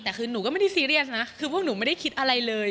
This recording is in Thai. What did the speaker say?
แต่คือหนูก็ไม่ได้ซีเรียสนะคือพวกหนูไม่ได้คิดอะไรเลย